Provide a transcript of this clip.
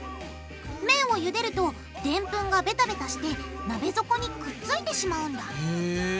麺をゆでるとでんぷんがベタベタして鍋底にくっついてしまうんだへぇ。